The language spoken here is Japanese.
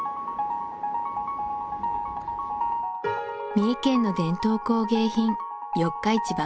三重県の伝統工芸品四日市萬